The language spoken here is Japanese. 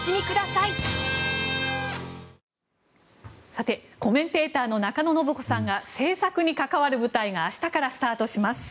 さて、コメンテーターの中野信子さんが制作に関わる舞台が明日からスタートします。